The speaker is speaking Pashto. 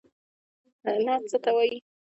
نعت څه ته وايي؟